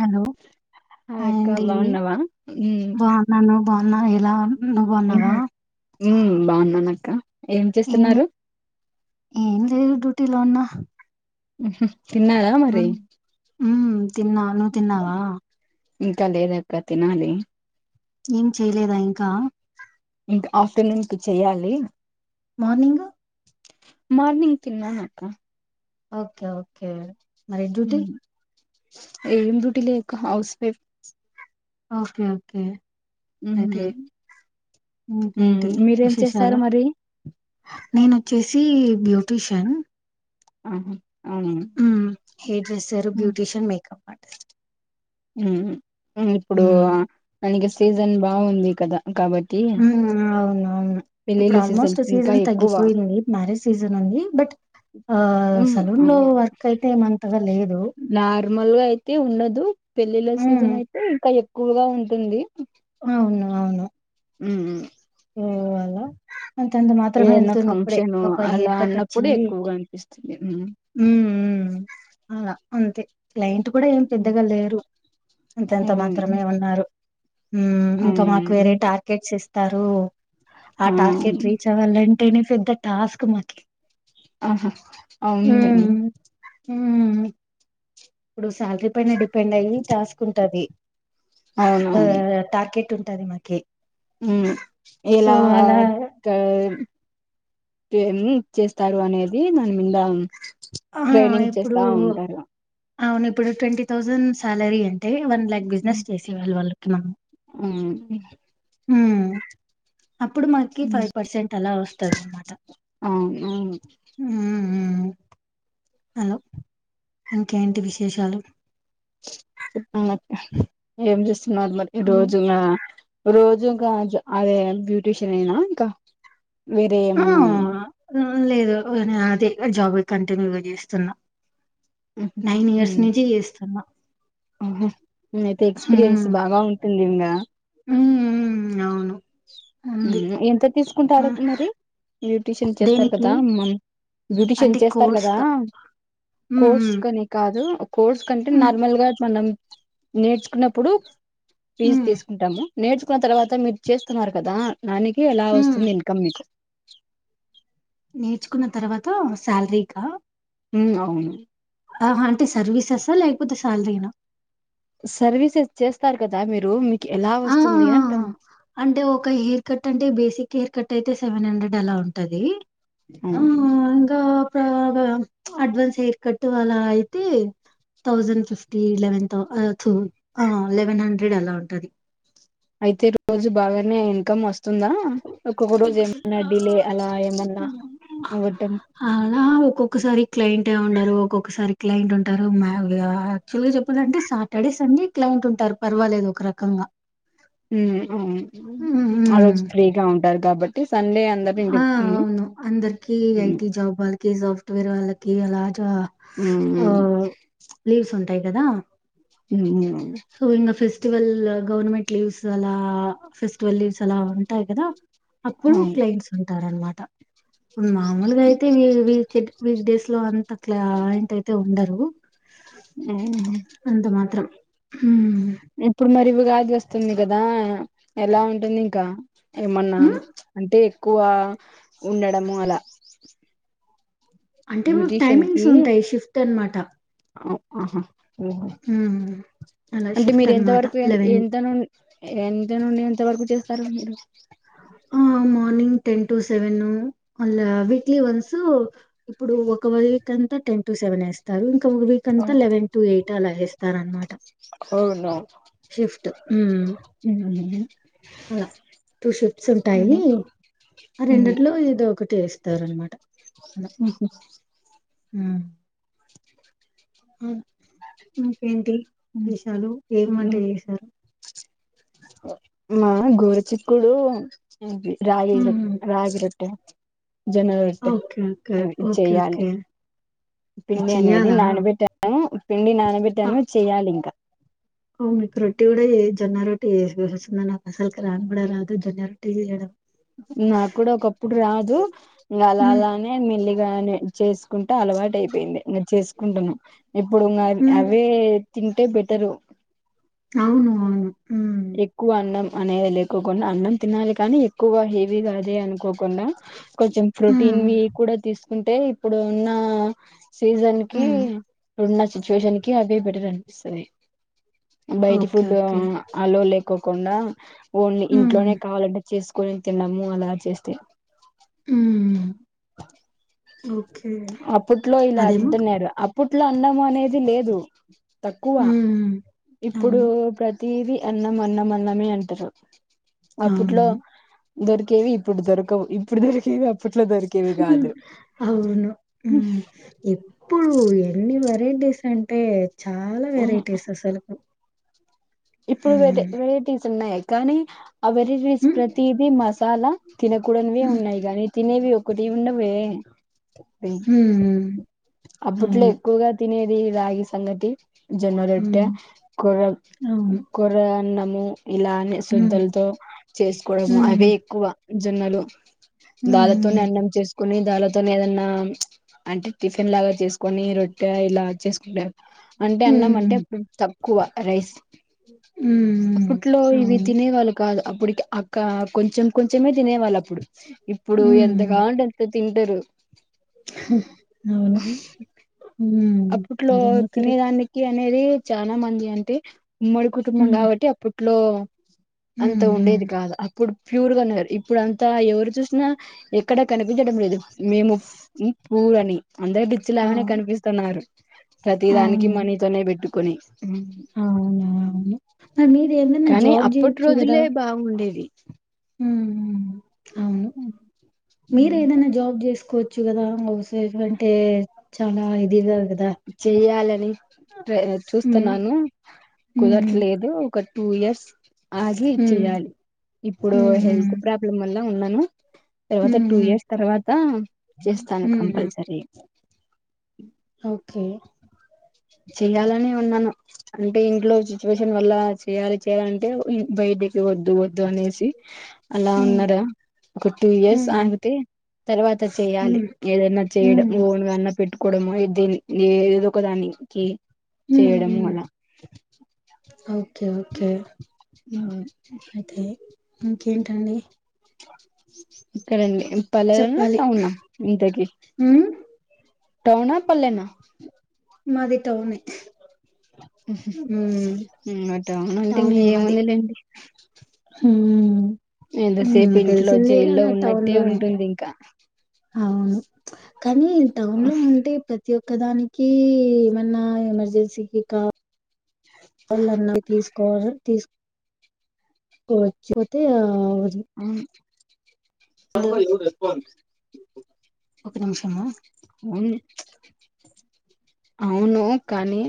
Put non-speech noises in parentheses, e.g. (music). Hello hi అక్క బావున్నవ ఊమ్ బాగున్నా ఇలాన్ ఉ నువ్ బావున్నవా ఊమ్ బావున్నానక్క ఏం చే చేస్తున్నారు? ఏం లేదు డ్యూటీ లో ఉన్న మ్మ్ హు తిన్నారా మరి మ్మ్ తిన్నా నువ్ తిన్నావా ఇంకా లేదక్క తినాలి ఏం చేయలేదా ఇంకా ఇంకా ఆఫ్టర్నూన్కి చెయ్యాలి మార్నింగు మార్నింగ్ తిన్నానక్క ఓకే ఓకే మరి డ్యూటి ఉమ్, ఏం డ్యూటి లే క్క హౌస్ వైఫ్ ఓకే ఓకే అయితే మ్మ్ ఇంకేంటి మీరేం చేస్తారు విశేషాలు? మరి నేనొచ్చేసి బ్యూటీషన్ ఆహా అవునా ఉమ్ హ్మ్ హేడ్రెస్సరు బ్యూటీషియన్ మేకప్ ఆర్టిస్ట్. మ్మ్ ఇంగిప్పుడు హ్మ్. మనకి స సీజన్ బాగుంది కదా కాబట్టి మ్మ్ అవును అవును ఇప్పుడు పెళ్ళిళ్ళ ఆల్మోస్ట్ ఇంకా సీజన్ తగ్గిపోయింది మ్యారేజ్ సీజన్ ఉంది బట్ ఆహ్, మ్మ్ సలూన్‌లో ఆ వర్క్ అయితే ఏమంతగా లేదు. నార్మల్ గా అయితే ఉండదు పెళ్ళిళ్ళ హ్మ్. సీజన్ అయితే ఇంకా ఎ క్కువగా ఉంటుంది అవును మ్మ్ హ్మ్ లేద ఇవాళ అంతంత మాత్రమే ఏదైనా వెళ్తుంది. ఇప్పుడే ఫంక్షన్ ఒక అలా హెయిర్ కట్ అన్నప్పుడు వచ్చింది ఎక్కువగా అనిపిస్తుంది ఉమ్, హ్మ్ హ్మ్ ఇంగా అంతే క్లయింట్ కూడా ఏం పెద్దగా లేరు అంతంత మాత్రమే ఉమ్, ఉన్నారు. మ్మ్ ఇంకా మాకు అవును వేరే టార్గెట్స్ ఇస్ మ్మ్ ఆ అవును టార్గెట్ రీచ్ అవ్వాలంటే నే పెద్ద టాస్క్ మాకి ఆహా హ్మ్. అవుందండి హ్మ్ ఇప్పుడు శాలరీ పైన డిప్ పెండ్ అయ్యి టాస్కు ఉంటది ఆహ్ టార్కెట్ ఉం టాది మాకి ఉహ్మ్ సో, ఎలా అలా వాడతవ్ తేమి చేస్తారు అనేది. దని మింద ఆ! ట్రైనింగ్ ఇప్పుడు చేస్తా ఉంటారుగా. అవును ఇప్పుడు ట్వంటీ థౌజండ్ సాలరీ అం టే వన్ లాక్ బిజినెస్ చేసే వాళ్ళు వాళ్ళు (unintelligible) ఆహ్మ్ ఉహ్ అప్పుడు మకి ఫైవ్ పర్సెంట్ అలా వస్తుది. అన్నమాట అవును ఉహ్మ్ హలో ఇంకేంటి విశేషాలు చేపండక్కా ఏం చేస్తున్నారు మరి ఈ హ్మ్. రోజునా రోజు ఇంకా ఆజ్ అదే బ్యూటీషినేనా ఇంకా. వేరే ఆ ఏమన్నా ఉంద. లేదు నే అదే జాబ్ కంటిన్యూగా చేస్తున్నా. నైన్ ఇయర్స్ నుంచి చేస్తున్నా. అవునా అయితే ఎక్స్పీరియన్స్ హ్మ్ బాగా ఉంటుంది. ఇంగా హ్మ్ హ్మ్. అవును ఉంది ఉహ్మ్ ఎంత తీసుకుంటారు. హ్మ్. మరి బ్యూటీషియన్ చేస్తారు దేనికి కదా. బ్యూటీషియన్ అంటే చేస్తారు కదా. కోర్స్గా హ్మ్ కోర్స్ హ్మ్ కని కాదు కోర్స్ కంటే హ్మ్ నార్మల్ గా మనం. నేర్చుకున్నప్పుడు. ఫీజ్ హ్మ్ తీసుకుంటాము. నేర్చుకున్న తర్వాత మీరు చేస్తున్నారు. కదా దానికి ఎలా హ్మ్. వస్తుంది. ఇన్కమ్ మీకు నేర్చుకున్న తర్వాత శాలరీకా ఉహ్మ అవును ఆహ అంటే సర్వీసెసా లేకపోతే శాలరీనా. సర్వీసెస్ చేస్తారు. కదా మీరు మీ ఆహ్ ఆ ఆ అంటే ఒక హెయిర్ కట్ అంటే బేసిక్ కేర్ కట్ అయితే సెవెన్ హండ్రెడ్ అలా ఉంటది. ఆహ్ ఇంకా (unintelligible) అడ్వాన్స్ ఎయిర్కట్టు అలా అయితే థౌజండ్ ఫిఫ్టీ లెవెన్ తో ఆ తు ఆ లెవెన్ హండ్రెడ్ అలా ఉంటది అయితే రోజు బాగానే ఇన్కమ్ వస్ తుం దా ఒక్కొక్క రోజు ఏమన్నా డిలే అలా ఏమన్నా అవ్వటం ఒక్కసారి క్లయింటే ఉండరు ఒక్కొక్కసారి క్లయింట్ ఉంటారు. మే ఆ యాక్చువల్ గా చెప్పాలంటే సాటర్డే సండే క్లైంట్ ఉంటారు పర్వాలేదు ఒక రకంగా హ్మ్ హ్మ్. ఆ అ హ్మ్. రోజు ఫ్రీగా ఉం డరు కాబట్టి సండే అందరు ఇంటి ఆ ఉమ్ అవును అందర్కి ఐటి జాబ్ వల్ కి సాఫ్ట్వేర్ వాళ్ళకి అల హ్మ్ లీవ్స్ ఉంటాయి గదా (unintelligible) సో ఇంగ ఫెస్ స్టివల్ గవర్నమెంట్ లీవ్స్ అలా ఫెస్టివల్ లీవ్స్ అలా ఉంటాయి కదా అప్పుడు అవును క్లైంట్స్ ఉంటారన్నమా త మామూలుగా అయితే వి వీక్ వీక్ డేస్ లో అంత క్లైంట్ అయితే ఉండరు హ్మ్ హ్మ్ ఇప్పుడు మరి వ్ రాజ్ వస్తుంది కదా ఎలా ఉంటుంది ఇంకా ఏమన్నా మ్ ఉమ్ అంటే క్కువ ఉండడము అలా అంటే మాకు బ్యూటీషియన్ టైమింగ్స్ ఉంటాయి షిఫ్ట్ అన్ మాట్ (unintelligible) ఆ అహా ఓహో అలా అంటే షిఫ్ట్ మీరు ఎంత అనమాట వరకు ఎ లెవెన్ ఎంత నున్ ఎంత నుండి ఎంత వరకు చేస్తారు మీరు ఆ మార్నింగ్ టెన్ టు సెవెను అలా వీక్లీ వన్సు ఇప్పుడు ఒక వీక్ అంతా టెన్ టు సెవెన్ వేస్తారు. (unintelligible) వీక్ అంత లెవెన్ టు ఎయిట్ తలఎస్ తార్ అన్నమాట అవును షిఫ్ట్ ఉమ్ అలా టూ షిఫ్ట్స్ ఉంటాయి. ఆ రెండిట్లో ఇదో ఒకటి వేస్తారు అనమాట అల ఉమ్ ఆ ఇంకేంటి విషాలు ఏ వంట చేశారు మా గోరు చిక్కుడు రాగి హ్మ్. రాగి రొట్టె జనలుస్త ఓకే. ఓకే. అవి ఓకే. చెయాలి ఓకే. ఇది పిండి అనేది చెయ్యాలా? నానబెట్టాను పిండి ఆ! నానబెట్టాను చెయాలి ఇంక ఓహ్! మీకు రొట్టె గూడా జొన్న రొటీ వస్తుంద నా అసలకి రాని కూడా రాదు జొన్న రొటీ చేయడం నాకు కూడా ఒకప్పుడు రాదు ఇంకా అలా హ్మ్. అలానే మెల్లిగ్ గాని చేసుకుంటే అలవాటు అయిపోయింది ఇంక చేసుకుంటున్నా ఇప్పుడు ఇంకా హ్మ్. అవే తి ట్టే బెటరు అవును అవును హ్మ్. ఎక్కువ అన్నం అనేది లేకోకుండా అన్నం తినాలి కానీ ఎక్కువ హెవీగాదే అనుకోకుండా కొంచెం హ్మ్. ప్రోటీన్ కూడా తీసు కుంటే ఇప్పుడు ఉన్న సీజన్ కి హ్మ్. రెండు నచ్చ సిచువేషన్ కి అదే బెటర్ అనిపిస్తుంది బయటి ఓకే. Food okay. ఆ లేకోకుండా ఓన్లీ హ్మ్. ఇంట్లోనే కావాలంటే చేసుకొని తిన్నాము అలా చేస్తే హమ్ అప్పట్లో ఇలా అతిదిన్నరు అప్పు ఇట్లా అన్నం అనేది లేదు తక్కువ హ్మ్. ఇప్పుడు అవును. ప్రతి తది అన్నం అన్నం అన్నమే అంటారు అప్పట్లో అవును. దొరికేవి ఇప్పుడు దొరకు ఇ ఇప్పుడు దొరికేద్ హుం హుం అవును ఉమ్ ఎప్పుడు ఎం ఇ వెరైటీస్ అంటే చాలా ఉహు వెరైటీస్ అసలుకు ఇప్పుడు వెరే వెరైటీస్ ఉన్నాయి కానీ వైరిటీస్ హ్మ్. ప్రతీది మసాలా తిన కూడానీవే హ్మ్. ఉన్నాయి గానీ తినే వి కుటివున్నవే హ్మ్. అప్పట్లో అవును. ఎక్కువగా తీ నేది రాగి సంగటి జొన్నరోట్టే హ్మ్. కొర్ర అవును. కొర్ర అన్నము ఇలానే హ్మ్. శుద్ధలతో చేసుకోవడము. హ్మ్. అవే ఎక్కువ జొన్నలు దాలతోనే హ్మ్. అన్నం చేసుకు కొన్ని దాల్లా తోనే ఏదన్నా అంటే టిఫ్ న్ లాగా చేస్ కొన్ని రొట్టె ఇలా చేసుకుంటారు. అంటే అన్నం అంటే హ్మ్. అప్పుడు తక్ క్కువ రైస్ హ్మ్. అప్పట్లో ఇవి అవును. తినే వాళ్ళు కాదు. అప్పుడీ క అక్క కొంచెం కొంచెమే తినే వాళ్ళు అప్పుడు ఇప్పుడు ఎంత హ్మ్. కావాలంటే అంత తే తింటరు అవును. హ్మ్. అప్పట్లో అదేమో కరెక్ట్. తినేదానికి అనేది చానా మంది అంటే ఉమ్మడి కుటుంబం హ్మ్. కాబట్టి అప్పుడు ఇంట్లో హ్మ్. అంత హ్మ్. ఉండేది కాదు అప్పుడు ప్యూర్ గా ఉన్నారు. ఇప్పుడు అంతా ఎవరు చూసినా ఎక్కడ కనిపించడం. లేదు మేము ప్యూర్ అని అందరు డిచ్చి లాగానే అవును. కనిపిస్తున్నారు. ప్రతి దానికి అవును. మనీ తోనే పెట్టు కొన్ని అవునవును. మరి మీరేదైనా కానీ జాబ్ అప్పటి జేయొచ్చు రోజులే బాగుండేవి. హమ్మ అవును మీరు ఏదైనా జాబ్ చేసుకోవచ్చు మచ్చు కదాస అంటే చాలా ఇది గా చెయ్యాలని హ్మ్. చూస్తున్నాను హ్మ్. కుదరట్లేదు ఒక టూ ఇయర్స్ అది హ్మ్. చెయ్యాలి ఇప్పుడు హ్మ్. హెల్త్ హ్మ్. ప్రాబ్లం వల్ల ఎలా ఉన్నాను తర్వాత హ్మ్. టూ హ్మ్. ఇయర్స్ తర్వాత చేస్తాను హ్మ్. హ్మ్. కంపల్సరీ ఓకే చెయాలనే ఉన్నాను అంటే ఇంట్లో సిచ్యువేషన్ వల్ల చేయాలి చేయాలంటే బయటకిర వద్దు వద్దు అనేసి అలా హ్మ్. ఉన్నారా ఒక టూ ఇయర్స్ హ్మ్. ఆగితే తర్వాత చేయాలి హ్మ్. ఏదనా చేయడం హ్మ్. ఓన్గాన్న పెట్టుకోవడము దే ఏదో ఒక దాన్ని క హ్మ్. చేయడం హ్మ్. మల ఓకే హమ్ అయితే ఇంకేంటండి ఇక్కడంండి పల్లెనా చెప్పాలి. టౌన్నా ఇ దగ్గర హ్మ్. టౌనా పల్లేనా మాది టౌన్ అటే అవున అంటే టౌనే ఏముందిలేండి ఉ ఎంతసేపు ఇంట్లో జైల్లో టౌన్ ఉన్నట్టతే లోనే. ఉంటుంది ఇంకా అవును కానీ టౌన్ లో ఉంటే ప్రతి ఒక్క పక్కదానికి ఏమన్నా ఎమర్జెన్సీకి కా అలన్న తీసు కో తీసు కోచ్చ మతే ఆ అవు ఒక నిమిషమా అవును కానీ